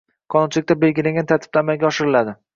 qonunchilikda belgilangan tartibda amalga oshiriladi.